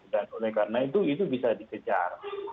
dan oleh karena itu itu bisa dikejar